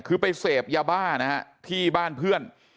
คือไปเสพยาบ้านะฮะที่บ้านเพื่อน